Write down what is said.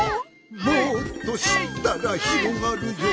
「もっとしったらひろがるよ」